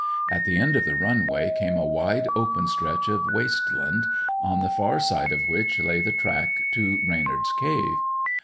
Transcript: At the end of the run way came a wide, open stretch of waste land, on the far side of which lay the track to Reynard's cave.